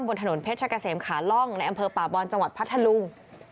บนถนนเพชรกะเสมขาล่องในอำเภอป่าบอลจังหวัดพัทธลุง